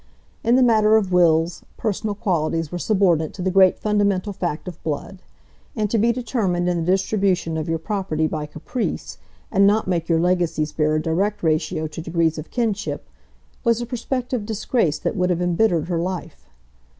In the matter of wills, personal qualities were subordinate to the great fundamental fact of blood; and to be determined in the distribution of your property by caprice, and not make your legacies bear a direct ratio to degrees of kinship, was a prospective disgrace that would have embittered her life.